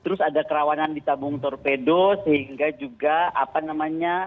terus ada kerawanan di tabung torpedo sehingga juga apa namanya